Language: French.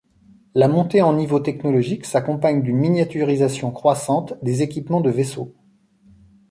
La montée en niveau technologique s'accompagne d'une miniaturisation croissante des équipements de vaisseaux.